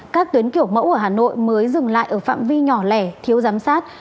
các tuyến kiểu mẫu ở hà nội mới dừng lại ở phạm vi nhỏ lẻ thiếu giám sát